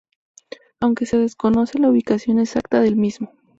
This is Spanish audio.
Aún se desconoce la ubicación exacta del mismo.